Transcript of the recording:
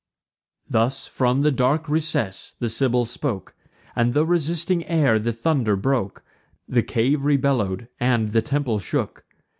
Thus, from the dark recess, the Sibyl spoke, And the resisting air the thunder broke; The cave rebellow'd, and the temple shook.